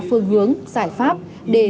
phương hướng giải pháp để